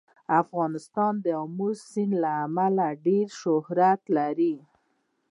افغانستان د آمو سیند له امله ډېر شهرت لري.